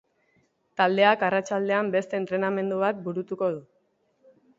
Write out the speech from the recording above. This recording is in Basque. Taldeak arratsaldean beste entrenamendu bat burutuko du.